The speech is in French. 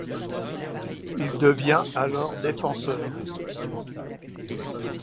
Il devient alors défenseur.